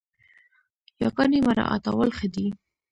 ياګاني مراعتول ښه دي